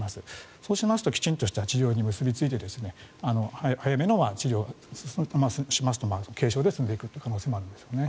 そうしますときちんとした治療に結びついて早めの治療をしますと軽症で済んでいくという可能性もありますね。